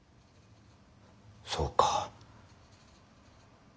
そうか。